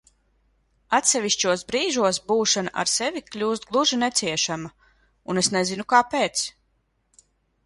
Atsevišķos brīžos būšana ar sevi kļūst gluži neciešama, un es nezinu kāpēc.